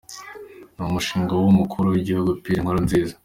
Ni umushinga w’Umukuru w’Igihugu Pierre Nkurunziza.